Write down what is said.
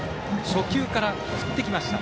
初球から振ってきました。